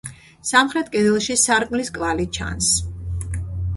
სამხრეთ კედელში სარკმლის კვალი ჩანს.